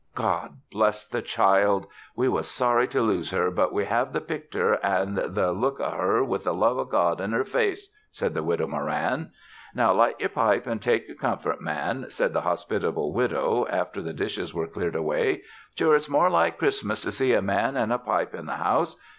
"God bless the child! We was sorry to lose her but we have the pictur' an' the look o' her with the love o' God in her face," said the Widow Moran. "Now light yer pipe and take yer comfort, man," said the hospitable widow, after the dishes were cleared away. "Sure it's more like Christmas to see a man an' a pipe in the house.